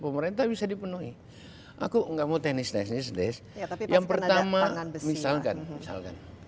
pemerintah bisa dipenuhi aku enggak mau tenis tenis des yang pertama misalkan misalkan